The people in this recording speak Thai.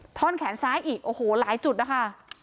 ท่อนแขนซ้ายอีกโอ้โหหลายจุดนะคะ